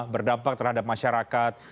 berdampak terhadap masyarakat